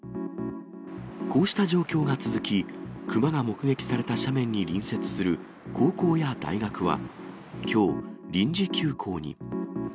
こうした状況が続き、熊が目撃された斜面に隣接する高校や大学はきょう、臨時休校に。